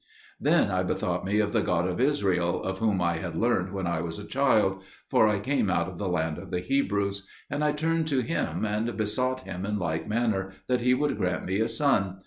Then I bethought me of the God of Israel, of whom I had learned when I was a child (for I came out of the land of the Hebrews), and I turned to Him and besought Him in like manner that He would grant me a son.